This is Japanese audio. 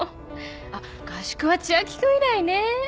あっ合宿は千秋君以来ね。